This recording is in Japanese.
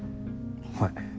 はい。